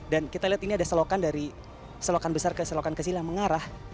dan kita lihat ini ada selokan dari selokan besar ke selokan kecil yang mengarah